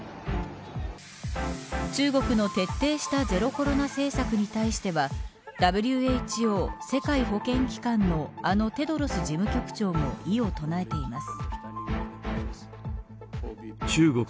中国の徹底したゼロコロナ政策に対してはＷＨＯ、世界保健機関のあのテドロス事務局長も異を唱えています。